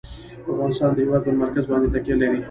افغانستان د هېواد پر مرکز باندې تکیه لري.